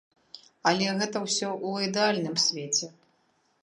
Але гэта ўсё ў ідэальным свеце.